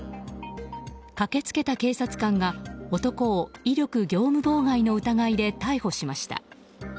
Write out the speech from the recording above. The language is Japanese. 駆けつけた警察官が男を威力業務妨害の疑いで逮捕しました。